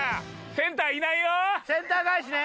センター返しね。